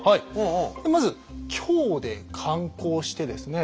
まず京で観光してですね